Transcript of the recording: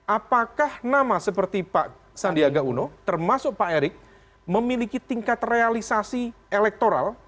apakah nama seperti pak sandiaga uno termasuk pak erick memiliki tingkat realisasi elektoral